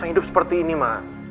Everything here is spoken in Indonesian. terus hidup seperti ini ma